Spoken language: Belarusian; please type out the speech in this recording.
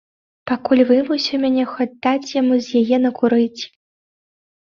Пакуль вымусіў мяне хоць даць яму з яе накурыць.